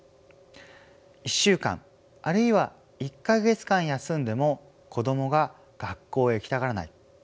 １週間あるいは１か月間休んでも子どもが学校へ行きたがらない